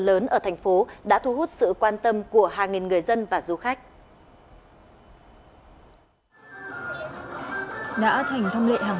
lớn ở thành phố đã thu hút sự quan tâm của hàng nghìn người dân và du khách đã thành thông lệ hàng